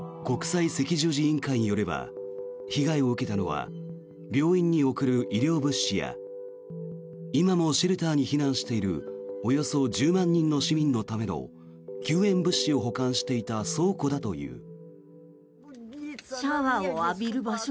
国際赤十字委員会によれば被害を受けたのは病院に送る医療物資や今もシェルターに避難しているおよそ１０万人の市民のための救援物資を保管していた倉庫だという。